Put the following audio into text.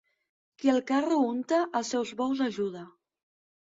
Qui el carro unta, els seus bous ajuda.